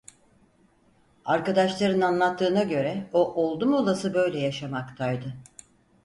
Arkadaşların anlattığına göre, o oldum olası böyle yaşamaktaydı.